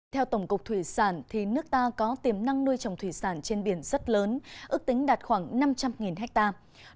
theo tổng cục thủy sản nước ta có tiềm năng nuôi trồng thủy sản trên biển rất lớn ước tính đạt khoảng năm trăm linh hectare